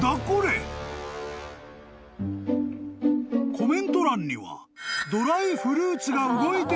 ［コメント欄には］